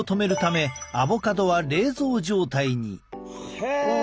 へえ。